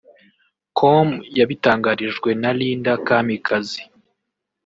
com yabitangarijwe na Linda Kamikazi